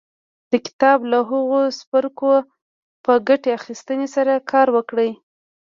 د کتاب له هغو څپرکو په ګټې اخيستنې سره کار وکړئ.